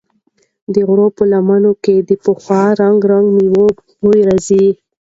د غره په لمنو کې د پخو رنګارنګو مېوو بوی راځي.